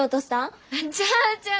ちゃうちゃう！